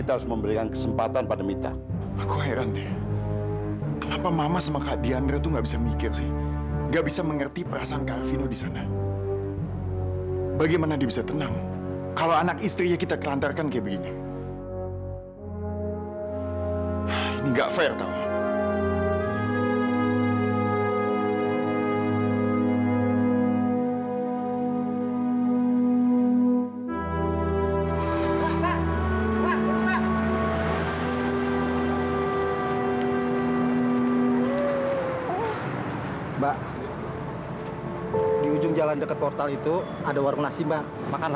terima kasih ya pak terima kasih saya tidak akan pernah memohonmu lagi mbak